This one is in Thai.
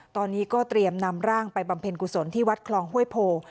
ตอนนี้ก็เตรียมนำร่างไปบำเพ็ญกุศลที่วัดคลองห้วยโพ